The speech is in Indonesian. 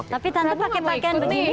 tapi tante pake paken begini